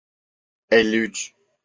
Elli üç.